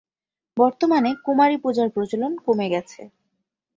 বর্তমানে কুমারী পূজার প্রচলন কমে গেছে।